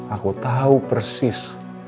aku tau persis